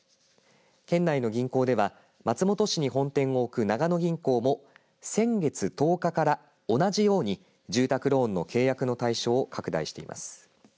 県内の銀行では松本市に本店を置く長野銀行も先月１０日から同じように住宅ローンの契約の対象を拡大しています。